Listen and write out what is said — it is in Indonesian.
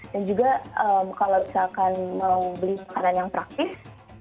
dan juga kalau misalkan mau beli makanan yang praktis